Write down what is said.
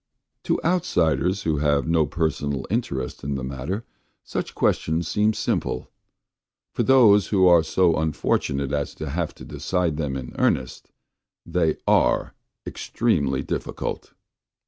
To outsiders who have no personal interest in the matter such questions seem simple; for those who are so unfortunate as to have to decide them in earnest they are extremely difficult.